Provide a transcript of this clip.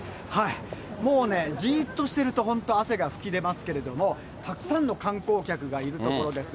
もうね、じっとしてると本当、汗が噴き出ますけれども、たくさんの観光客がいる所です。